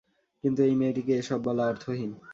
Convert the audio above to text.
কিন্তু এই মেয়েটিকে এ-সব বলা অর্থহীন।